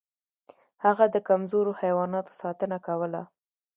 هغه د کمزورو حیواناتو ساتنه کوله.